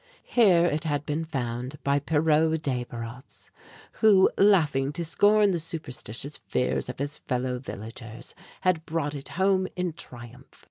Here it had been found by Pierrot Desbarats, who, laughing to scorn the superstitious fears of his fellow villagers, had brought it home in triumph.